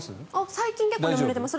最近結構眠れてます。